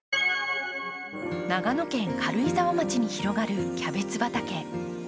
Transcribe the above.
長野県軽井沢町に広がるキャベツ畑。